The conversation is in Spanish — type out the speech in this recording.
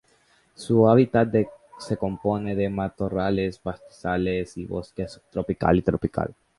Su hábitat se compone de matorrales, pastizales y bosque subtropical y tropical.